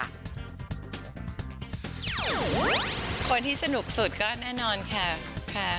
คนที่สนุกสุดก็แน่นอนค่ะ